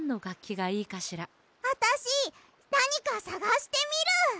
あたしなにかさがしてみる！